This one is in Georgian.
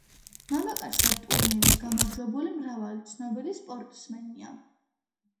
მამაკაცთა ტურნირის გამარჯვებული მრავალი ცნობილი სპორტსმენია.